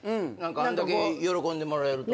あんだけ喜んでもらえると。